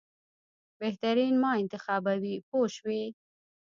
بهترین ما انتخابوي پوه شوې!.